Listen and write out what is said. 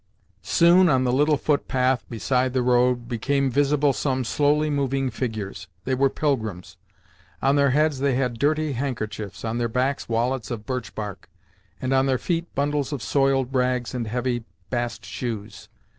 Soon on the little footpath beside the road became visible some slowly moving figures. They were pilgrims. On their heads they had dirty handkerchiefs, on their backs wallets of birch bark, and on their feet bundles of soiled rags and heavy bast shoes.